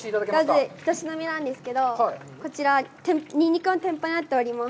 まず１品目なんですけど、こちら、ニンニクの天ぷらになっております。